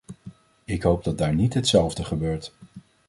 Ik hoop dat daar niet hetzelfde gebeurt.